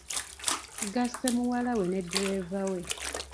Gasse muwala we ne ddereeva we.